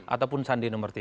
ataupun sandi nomor tiga